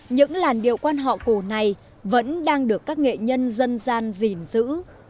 những làn điệu quán họ cổ này vẫn đang được các nghệ nhân dân gian dìm giữ